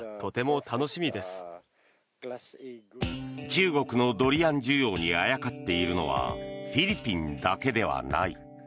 中国のドリアン需要にあやかっているのはフィリピンだけではない。